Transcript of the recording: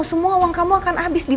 semua uang kamu akan abis